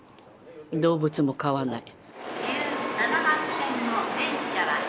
動物も飼わない。